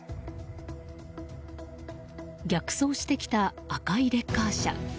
逆走してきた赤いレッカー車。